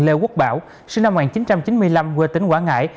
lê quốc bảo sinh năm một nghìn chín trăm chín mươi năm quê tỉnh quảng ngãi